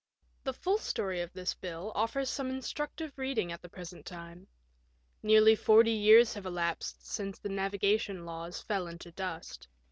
The full story of this bill offers some instructive reading at the present time. Nearly forty years have elapsed since the navigation laws fell into dust.